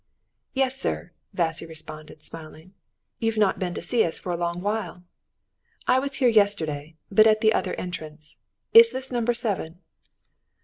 "Yes, sir," Vassily responded, smiling. "You've not been to see us for a long while." "I was here yesterday, but at the other entrance. Is this number seven?"